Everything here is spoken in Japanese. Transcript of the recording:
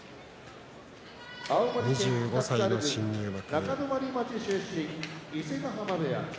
２５歳の新入幕。